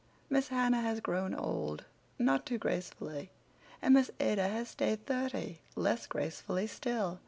Miss Hannah has grown old, not too gracefully, and Miss Ada has stayed thirty, less gracefully still.